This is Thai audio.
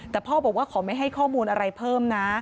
แต่พ่อบอกว่าขอไม่ให้ข้อมูลอะไรเพิ่มนะ